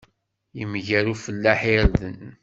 Yemger ufellaḥ irden.